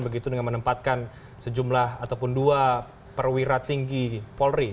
begitu dengan menempatkan sejumlah ataupun dua perwira tinggi polri